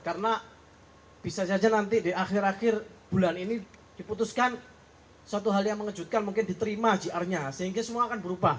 karena bisa saja nanti di akhir akhir bulan ini diputuskan suatu hal yang mengejutkan mungkin diterima gr nya sehingga semua akan berubah